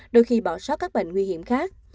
đôi khi bỏ sót các bệnh nguy hiểm khác